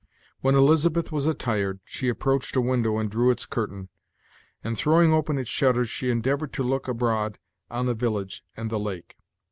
When Elizabeth was attired, she approached a window and drew its curtain, and throwing open its shutters she endeavored to look abroad on the village and the lake.